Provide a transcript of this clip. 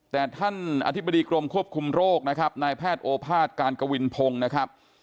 แต่ท่านอธิบดีกรมควบคุมโรคนะครับนายแพทย์โอภาษย์การกวินพงศ์นะครับ